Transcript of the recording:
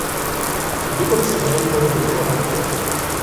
Deux coccinelles volent de fleurs en fleurs.